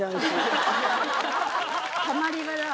たまり場だ。